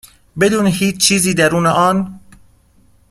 بدون هیچ چیزی درون آن؟